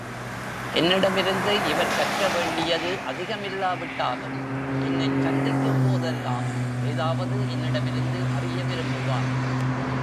என்னிடமிருந்து இவர் கற்க வேண்டியது அதிகமில்லாவிட்டாலும், என்னைச் சந்திக்கும் போதெல்லாம், ஏதாவது என்னிடமிருந்து அறிய விரும்புவார்.